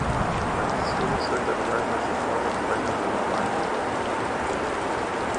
Während dieses Studiums wirkte er bereits als Reporter und Sprecher am Sender Weimar.